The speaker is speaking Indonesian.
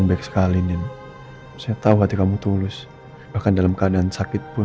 bu ini kiki bawa keluar bentarnya